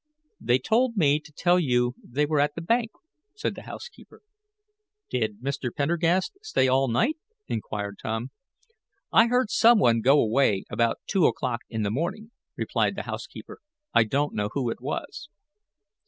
"They told me to tell you they were at the bank," said the housekeeper. "Did Mr. Pendergast stay all night?" inquired Tom. "I heard some one go away about two o'clock this morning," replied the housekeeper. "I don't know who it was."